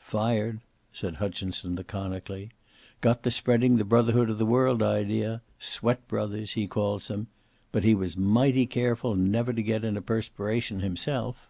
"Fired," said Hutchinson laconically. "Got to spreading the brotherhood of the world idea sweat brothers, he calls them. But he was mighty careful never to get in a perspiration himself."